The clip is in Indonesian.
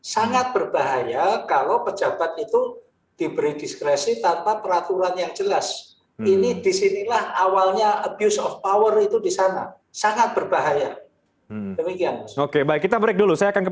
sangat berbahaya kalau pejabat itu diberi diskresi tapi juga keluarganya